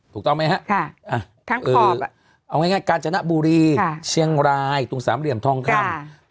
ถูกต้องไหมครับเอาง่ายกาญจนบุรีเชียงรายตรงสามเหลี่ยมทองคำ